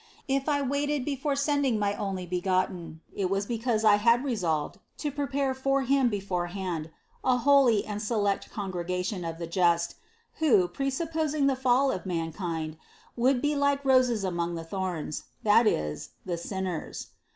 If I waited before sending my Onlybegotten, it was because I had resolved to prepare for Him beforehand a holy and select congregation of the just, who, presupposing the fall of mankind, would be like roses among the thorns, that is, the sinners.